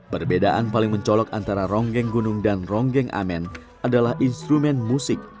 perbedaan paling mencolok antara ronggeng gunung dan ronggeng amen adalah instrumen musik